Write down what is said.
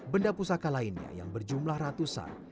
benda pusaka lainnya yang berjumlah ratusan